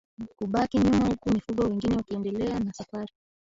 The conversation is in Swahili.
Kubaki nyuma huku mifugo wengine wakiendelea na safari